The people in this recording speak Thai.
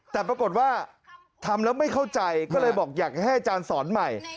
แต่ปรากฏว่าทำแล้วไม่เข้าใจก็เลยบอกอยากให้อาจารย์สอนใหม่